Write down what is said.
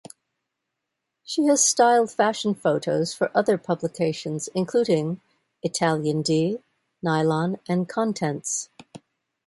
She has styled fashion photos for other publications, including Italian "D", "Nylon", and "Contents".